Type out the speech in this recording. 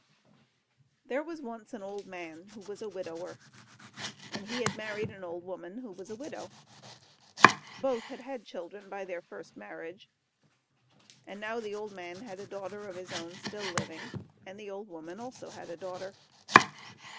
There was once an old man, who was a widower, and he had married an old woman, who was a widow. Both had had children by their first marriage; and now the old man had a daughter of his own still living, and the old woman also had a daughter.